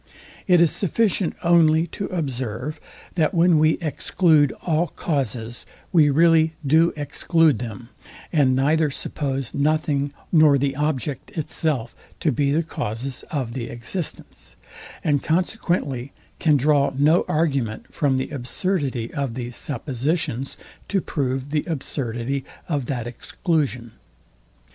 It is sufficient only to observe, that when we exclude all causes we really do exclude them, and neither suppose nothing nor the object itself to be the causes of the existence; and consequently can draw no argument from the absurdity of these suppositions to prove the absurdity of that exclusion.